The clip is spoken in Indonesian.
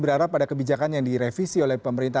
ya yang pertama kami lihat bahwasannya